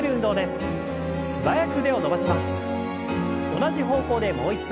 同じ方向でもう一度。